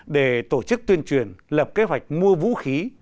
để tổ chức tuyên truyền lập kế hoạch mua vũ khí